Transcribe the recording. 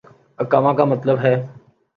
اقامہ کا مطلب ہے۔